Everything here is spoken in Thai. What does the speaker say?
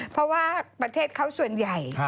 เพราะว่าประเทศเขาส่วนใหญ่